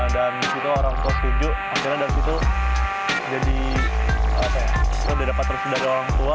dan orang tua setuju akhirnya dari situ jadi sudah dapat terus dari orang tua